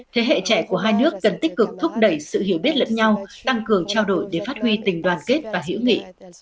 thế hệ trẻ của hai nước cần tích cực thúc đẩy sự hiểu biết lẫn nhau tăng cường trao đổi để phát huy tình đoàn kết và hiểu nghị